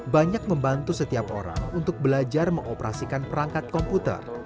banyak membantu setiap orang untuk belajar mengoperasikan perangkat komputer